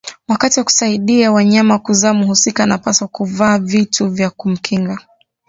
Wakati wa kusaidia wanyama kuzaa mhusika anapaswa kuvaa vitu vya kumkinga